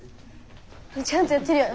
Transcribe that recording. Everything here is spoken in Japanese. ちゃんとやってるよな。